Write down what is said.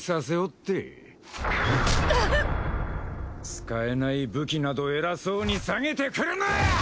使えない武器など偉そうにさげてくるな！